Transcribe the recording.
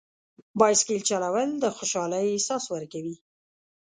بایسکل چلول د خوشحالۍ احساس ورکوي.